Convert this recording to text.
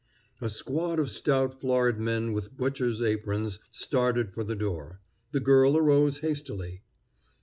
A squad of stout, florid men with butchers' aprons started for the door. The girl arose hastily.